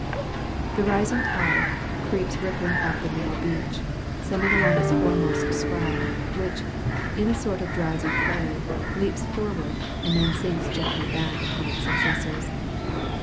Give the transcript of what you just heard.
The rising tide creeps rippling up the narrow beach, sending along its foremost swell, which, in a sort of drowsy play, leaps forward, and then sinks gently back upon its successors.